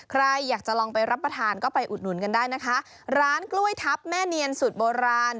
ใครอยากจะลองไปรับประทานก็ไปอุดหนุนกันได้นะคะร้านกล้วยทัพแม่เนียนสูตรโบราณ